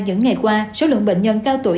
những ngày qua số lượng bệnh nhân cao tuổi